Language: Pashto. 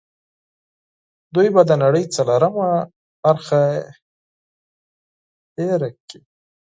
دوی به د نړۍ څلورمه برخه هېر کوي.